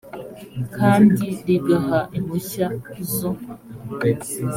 kandi rigaha impushya zo